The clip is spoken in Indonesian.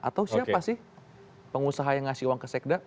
atau siapa sih pengusaha yang ngasih uang ke sekda